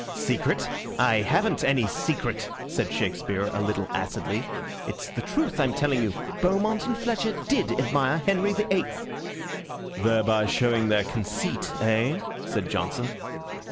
"Secret! I haven't any secret," said Shakespeare, a little acridly. "It's the truth I'm telling you. Beaumont and Fletcher did admire Henry the Eighth." "Thereby showing their conceit, eh?" said Johnson.